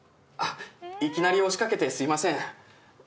いきなり押し掛けてすいません。